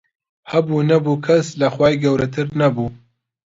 هەبوو نەبوو کەس لە خوای گەورەتر نەبوو